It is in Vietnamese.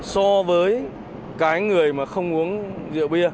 so với cái người mà không uống rượu bia